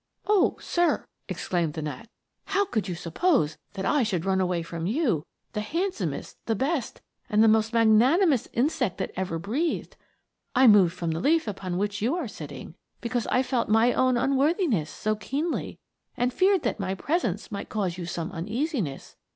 " O, sir !" exclaimed the gnat, " how could you suppose that I should run away from you, the handsomest, the best, and the most magnanimous insect that ever breathed ? I moved from the leaf upon which you are sitting, because I felt my own un worthiness so keenly, and feared that my presence might cause you some uneasiness.